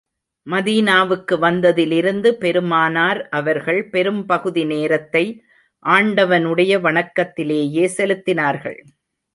மதீனாவுக்கு வந்ததிலிருந்து பெருமானார் அவர்கள், பெரும்பகுதி நேரத்தை ஆண்டவனுடைய வணக்கத்திலேயே செலுத்தினார்கள்.